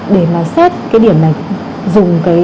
để mà xét cái điểm này